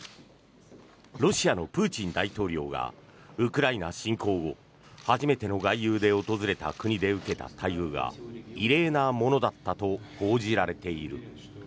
ロシアのプーチン大統領がウクライナ侵攻後初めての外遊で訪れた国で受けた待遇が異例なものだったと報じられている。